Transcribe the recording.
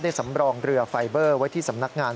สำรองเรือไฟเบอร์ไว้ที่สำนักงาน